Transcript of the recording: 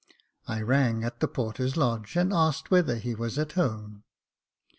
I rang at the porter's lodge, and asked whether he was at home.